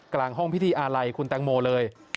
กลางห้องพิธีอาลัยคุณแตงโมเลย